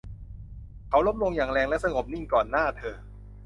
เขาล้มลงอย่างแรงและสงบนิ่งก่อนหน้าเธอ